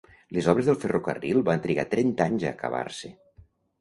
Les obres del ferrocarril van trigar trenta anys a acabar-se.